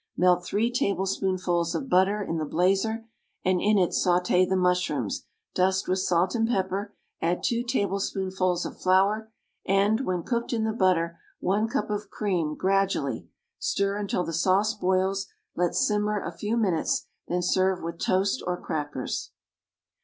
Melt three tablespoonfuls of butter in the blazer and in it sauté the mushrooms; dust with salt and pepper, add two tablespoonfuls of flour, and, when cooked in the butter, one cup of cream, gradually; stir until the sauce boils, let simmer a few minutes, then serve with toast or crackers.